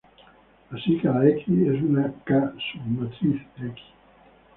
Así, cada "X" es una "k"submatriz "X".